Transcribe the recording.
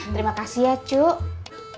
terima kasih ya ce